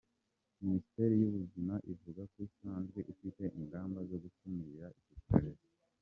Minisiteri y’Ubuzima ivuga ko isanzwe ifite ingamba zo gukumira icyo cyorezo.